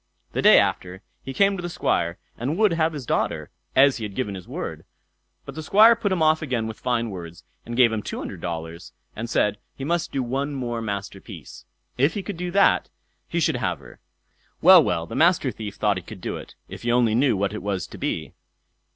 The day after, he came to the Squire and would have his daughter, as he had given his word; but the Squire put him off again with fine words, and gave him two hundred dollars, and said he must do one more masterpiece. If he could do that, he should have her. Well, well, the Master Thief thought he could do it, if he only knew what it was to be.